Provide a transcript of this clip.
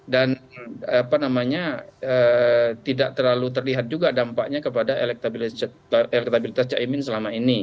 dan apa namanya tidak terlalu terlihat juga dampaknya kepada elektabilitas caimin selama ini